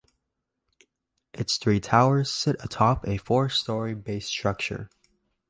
Its three towers sit atop a four-story base structure.